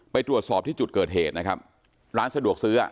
ไปตรวจสอบที่จุดเกิดเหตุนะครับร้านสะดวกซื้อ